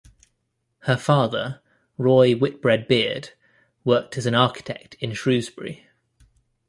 Her father, Roy Whitbread Beard, worked as an architect in Shrewsbury.